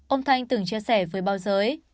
ông thanh từng chia sẻ với bao giới